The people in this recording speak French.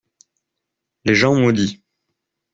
Les gens maudits.